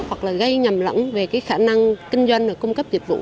hoặc gây nhầm lẫn về khả năng kinh doanh và cung cấp dịch vụ